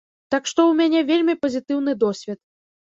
Так што ў мяне вельмі пазітыўны досвед.